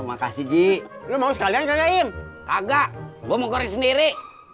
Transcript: makasih ji lu mau sekalian kaget kaget gua mau goreng sendiri